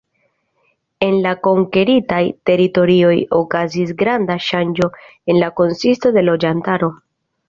En la konkeritaj teritorioj okazis granda ŝanĝo en la konsisto de loĝantaro.